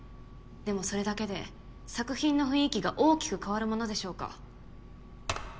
でもそれだけで作品の雰囲気が大きく変わるものでしょうか。